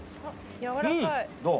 やわらかいどう？